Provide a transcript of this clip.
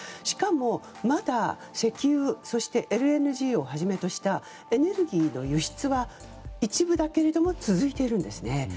しかも、まだ石油そして、ＬＮＧをはじめとしたエネルギーの輸出は一部だけれど続いているんですね。